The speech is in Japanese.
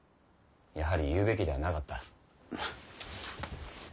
やはり言うべきではなかった。